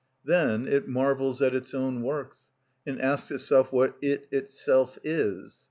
Then it marvels at its own works, and asks itself what it itself is.